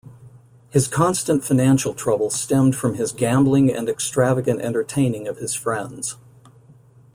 His constant financial trouble stemmed from his gambling and extravagant entertaining of his friends.